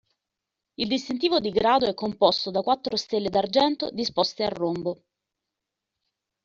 Il distintivo di grado è composto da quattro stelle d'argento disposte a rombo.